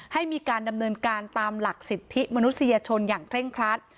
ให้มีการดำเนินการตามหลักสิทธิมนุษยชนอย่างเคร่งครัด